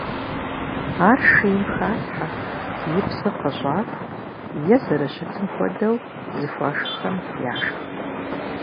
Ар шейм халъхьэ, и псыр къыщӏаху, е зэрыщытым хуэдэу зыхуэшххэм яшх.